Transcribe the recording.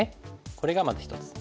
これがまず一つ。